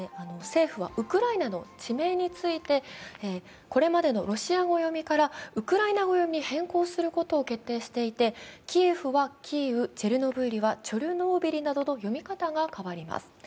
政府はウクライナの地名についてこれまでのロシア語読みからウクライナ語読みに変更することを決定していてキエフはキーウ、チェルノブイリはチョルノービリなど読み方が変わります。